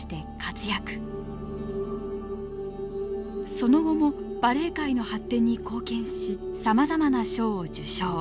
その後もバレエ界の発展に貢献しさまざまな賞を受賞。